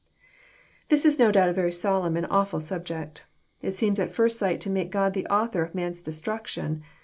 This is no doubt a very solemn and awftil subject. It seems at first sight to make God the author of man's destruction.